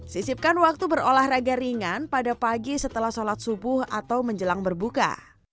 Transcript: sisipkan waktu berolahraga ringan pada pagi setelah sholat subuh atau menjelang berbuka